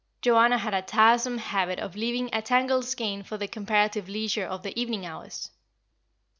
Joanna had a tiresome habit of leaving a tangled skein for the comparative leisure of the evening hours.